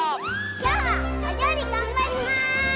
きょうはおりょうりがんばります！